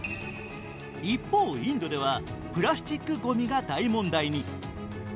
一方、インドではプラスチックごみが大問題に。